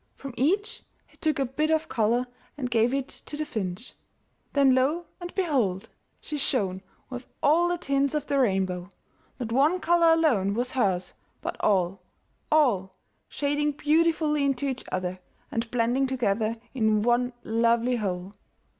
From each he took a bit of color and gave it to the finch. Then lo and behold ! she shone with all the tints of the rainbow; not one color alone was her's, but all — all, shading beautifully into each other, and blending together in one lovely whole!